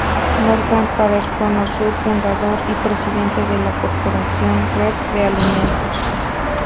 Morgan para el Cono Sur, fundador y presidente de la Corporación Red de Alimentos.